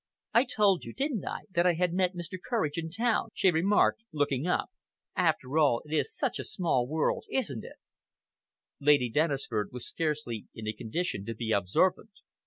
"I told you, didn't I, that I had met Mr. Courage in town?" she remarked, looking up. "After all, it is such a small world, isn't it?" Lady Dennisford was scarcely in a condition to be observant.